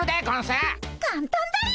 かんたんだよ。